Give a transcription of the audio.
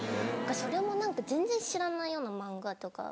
それも何か全然知らないような漫画とか。